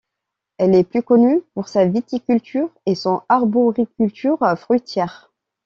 Elle est plus connue pour sa viticulture et son arboriculture fruitière.